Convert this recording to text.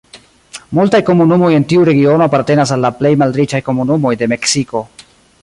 Multaj komunumoj en tiu regiono apartenas al la plej malriĉaj komunumoj de Meksiko.